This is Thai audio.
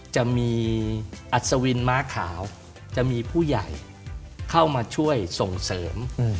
จะมีอัศวินม้าขาวจะมีผู้ใหญ่เข้ามาช่วยส่งเสริม